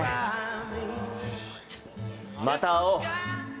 また会おう。